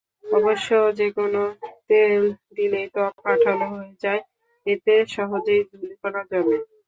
অবশ্য যেকোনো তেল দিলেই ত্বক আঠালো হয়ে যায়, এতে সহজেই ধূলিকণা জমে।